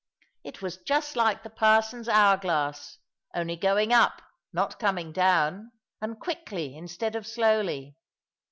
It was just like the parson's hour glass only going up, not coming down, and quickly instead of slowly.